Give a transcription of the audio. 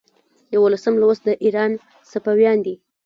یوولسم لوست د ایران صفویان دي.